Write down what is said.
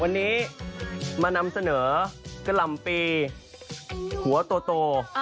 วันนี้มานำเสนอกะหล่ำปีหัวโต